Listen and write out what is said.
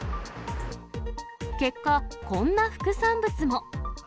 結果、こんな副産物も。